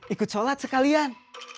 ikut sholat sekalian